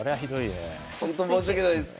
ほんと申し訳ないです。